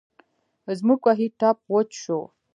زموږ کوهۍ ټپ وچ شو.